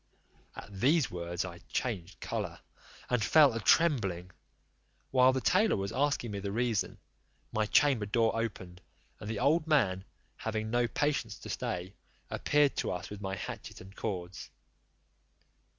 At these words I changed colour, and fell a trembling. While the tailor was asking me the reason, my chamber door opened, and the old man, having no patience to stay, appeared to us with my hatchet and cords.